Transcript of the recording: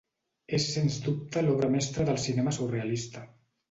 És sens dubte l'obra mestra del cinema surrealista.